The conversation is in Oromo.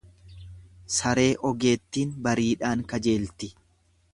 Saree ogeettiin bariidhaan kajeelti.